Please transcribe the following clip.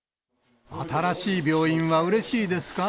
新しい病院はうれしいですか？